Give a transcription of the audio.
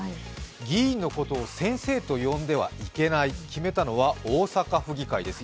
議員のことを先生と呼んではいけない、決めたのは大阪府議会です。